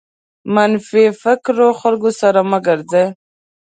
منفي فکره خلکو سره مه ګرځٸ.